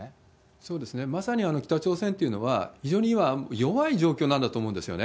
そうですね、まさに北朝鮮というのは、非常に今、弱い状況なんだと思うんですよね。